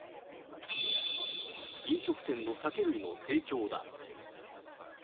飲食店の酒類の提供だ。